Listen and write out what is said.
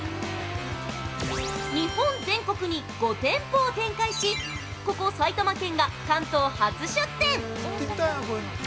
日本全国に５店舗を展開し、ここ埼玉県が関東初出店。